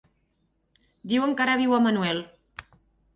Diuen que ara viu a Manuel.